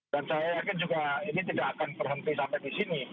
dan saya yakin juga ini tidak akan berhenti sampai di sini